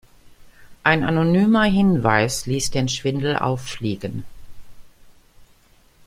Ein anonymer Hinweis ließ den Schwindel auffliegen.